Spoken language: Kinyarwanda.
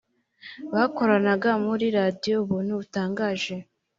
bakoranaga muri Radiyo Ubuntu butangaje